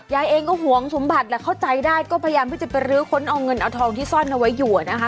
ยายเองก็หวงสมบัติแหละเข้าใจได้ก็พยายามที่จะไปรื้อค้นเอาเงินเอาทองที่ซ่อนเอาไว้อยู่นะคะ